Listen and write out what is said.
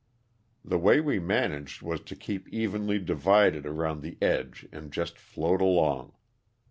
The way we managed was to keep evenly divided around the edge and just float along.